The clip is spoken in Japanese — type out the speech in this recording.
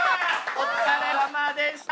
お疲れさまでした。